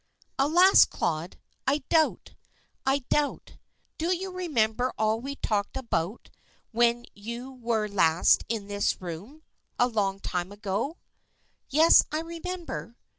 "Alas, Claude, I doubt, I doubt. Do you remember all we talked about when you were last in this room a long time ago?" "Yes, I remember."